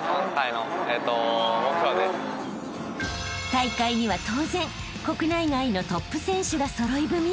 ［大会には当然国内外のトップ選手が揃い踏み］